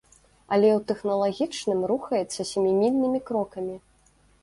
Але ў тэхналагічным рухаецца сямімільнымі крокамі.